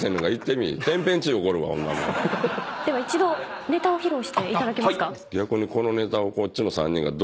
では一度ネタを披露していただけますか。